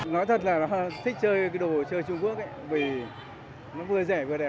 nói thật là nó thích chơi cái đồ chơi trung quốc vì nó vừa rẻ vừa đẹp